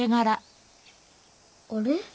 あれ？